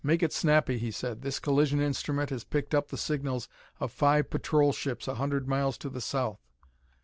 "Make it snappy," he said: "this collision instrument has picked up the signals of five patrol ships a hundred miles to the south."